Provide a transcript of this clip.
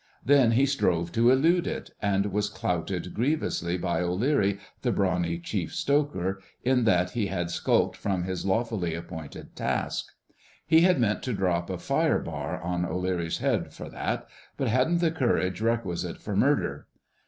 Then he strove to elude it, and was clouted grievously by O'Leary, the brawny Chief Stoker, in that he had skulked from his lawfully appointed task. He had meant to drop a fire bar on O'Leary's head for that, but hadn't the courage requisite for murder.